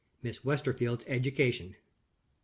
Miss Westerfield's Education 1.